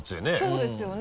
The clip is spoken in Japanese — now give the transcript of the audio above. そうですよね。